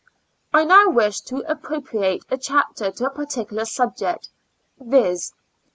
I now wish to appropriate a chapter to a particular subject, viz.